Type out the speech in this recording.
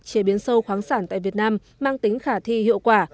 chế biến sâu khoáng sản tại việt nam mang tính khả thi hiệu quả